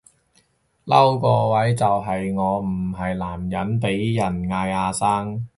嬲個位就係我唔係男人被人嗌阿生